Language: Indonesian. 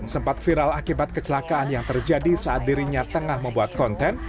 sempat viral akibat kecelakaan yang terjadi saat dirinya tengah membuat konten